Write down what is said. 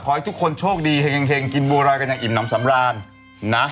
ให้ทุกคนโชคดีแห่งกินบัวรอยกันอย่างอิ่มน้ำสำราญนะ